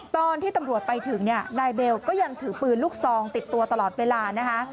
ตอนที่ตำรวจไปถึงเนี่ยนายเบลก็ยังถือปืนลูกซองติดตัวตลอดเวลานะคะ